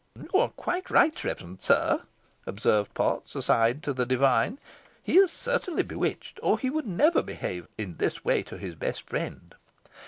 "You were quite right, reverend sir," observed Potts aside to the divine; "he is certainly bewitched, or he never would behave in this way to his best friend.